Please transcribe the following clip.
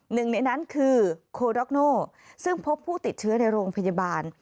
หนึ่งในนั้นคือโคร็อกโนซึ่งพบผู้ติดเชื้อในโรงพยาบาล